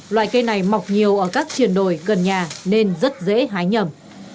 loại cây này mọc nhiều ở các triền đồi gần nhà nên rất dễ hái nhầm